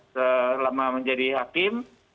selama menjadi hakim